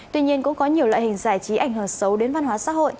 tuy nhiên cũng có nhiều loại hình giải trí ảnh hưởng xấu đến văn hóa xã hội